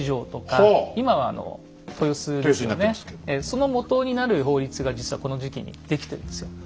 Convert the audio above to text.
そのもとになる法律が実はこの時期に出来てるんですよ。